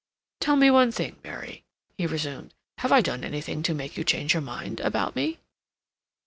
"Tell me one thing, Mary," he resumed; "have I done anything to make you change your mind about me?"